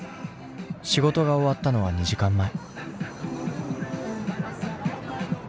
仕事が終わったのは２時間前。